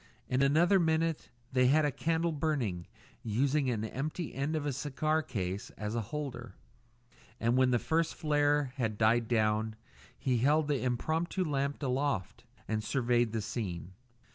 In another minute they had a candle burning, using an empty end of a cigar case as a holder; and when the first flare had died down he held the impromptu lamp aloft and surveyed the scene.